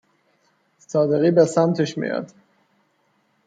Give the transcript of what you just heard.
صادقی به سمتش میاد